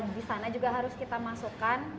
di sana juga harus kita masukkan